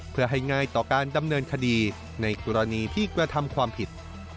เพื่อให้ง่ายต่อการดำเนินคดีในกรณีที่กระทำความผิด